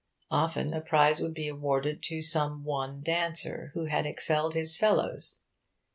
Often a prize would be awarded to some one dancer who had excelled his fellows.